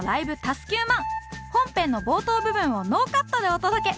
「＋９００００」本編の冒頭部分をノーカットでお届け